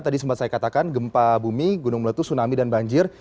tadi sempat saya katakan gempa bumi gunung meletus tsunami dan banjir